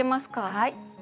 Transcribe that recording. はい。